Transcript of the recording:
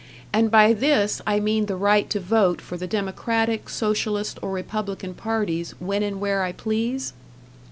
And by this I mean the right to vote for the Democratic, Socialist, or Republican parties when and where I please?"